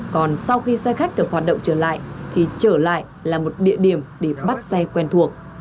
còn sau khi xe khách được hoạt động trở lại thì trở lại là một địa điểm để bắt xe quen thuộc